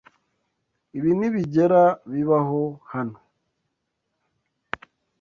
Ibi ntibigera bibaho hano.